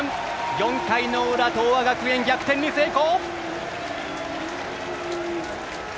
４回の裏、東亜学園逆転に成功！